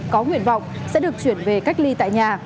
có nguyện vọng sẽ được chuyển về cách ly tại nhà